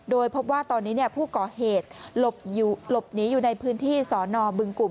โดยพบว่าตอนนี้ผู้ก่อเหตุหลบหนีอยู่ในพื้นที่สอนอบึงกลุ่ม